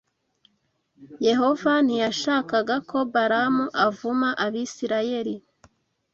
Yehova ntiyashakaga ko Balamu avuma Abisirayeli